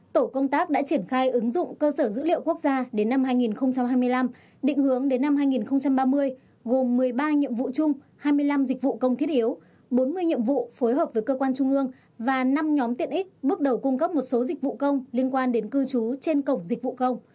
tổ công tác đã triển khai ứng dụng cơ sở dữ liệu quốc gia đến năm hai nghìn hai mươi năm định hướng đến năm hai nghìn ba mươi gồm một mươi ba nhiệm vụ chung hai mươi năm dịch vụ công thiết yếu bốn mươi nhiệm vụ phối hợp với cơ quan trung ương và năm nhóm tiện ích bước đầu cung cấp một số dịch vụ công liên quan đến cư trú trên cổng dịch vụ công